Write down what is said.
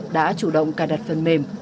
đã chủ động cài đặt phần mềm